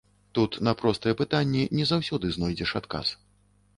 Тут на простыя пытанні не заўсёды знойдзеш адказ.